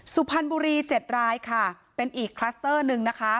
สุพรรณบุรี๗รายค่ะเป็นอีกคลัสเตอร์หนึ่งนะคะ